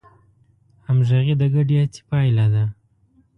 همغږي د ګډې هڅې پایله ده.